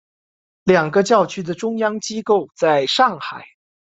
两个教区的中央机构在上海。